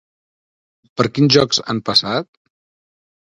Per quins llocs han passat?